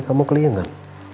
kamu kelian kan